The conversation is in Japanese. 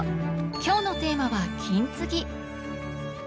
今日のテーマは「金継ぎ」！